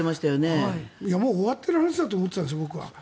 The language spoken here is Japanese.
もう終わってる話だと思ってたんです。